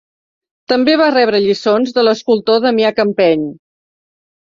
També va rebre lliçons de l'escultor Damià Campeny.